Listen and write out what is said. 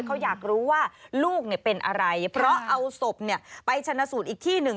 เขาอยากรู้ว่าลูกเป็นอะไรเพราะเอาศพไปชนะสูตรอีกที่หนึ่ง